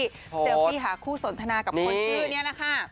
เซลฟี่ค่ะคู่สนทนากับคนชื่อนี้นะคะ